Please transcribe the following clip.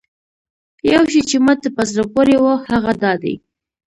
یو شی چې ماته په زړه پورې و هغه دا دی.